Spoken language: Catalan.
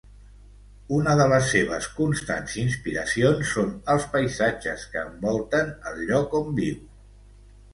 Una de les seves constants inspiracions són els paisatges que envolten el lloc on viu.